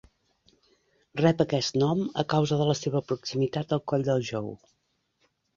Rep aquest nom a causa de la seva proximitat al Coll del Jou.